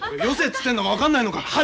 よせっつってんのが分かんないのか。